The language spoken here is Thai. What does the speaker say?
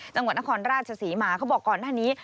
จังหวัดนครราชศรีมาเขาบอกก่อนหน้านี้